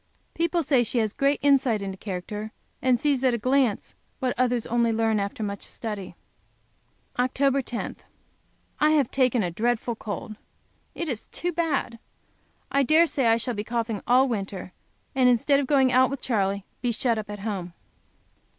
People say she has great insight into character, and sees, at a glance, what others only learn after much study. Oct. 10. I have taken a dreadful cold. It is too bad. I dare say I shall be coughing all winter, and instead of going out with Charley, be shut up at home.